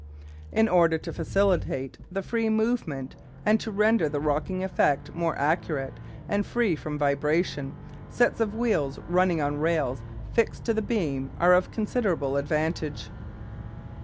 In order to facilitate the free movement, and to render the rocking effect more accurate and free from vibration, sets of wheels running on rails fixed to the beam are of considerable advantage.